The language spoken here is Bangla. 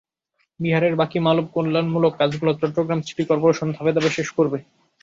বিহারের বাকি মানবকল্যাণমূলক কাজগুলো চট্টগ্রাম সিটি করপোরেশন ধাপে ধাপে শেষ করবে।